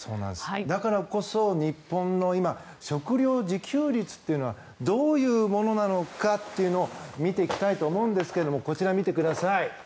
だからこそ日本の食料自給率というのはどういうものなのかっていうのを見ていきたいと思うんですがこちら、見てください。